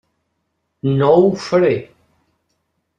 No ho faré.